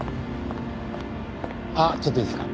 あっちょっといいですか？